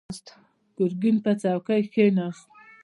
ګرګين پر څوکۍ کېناست.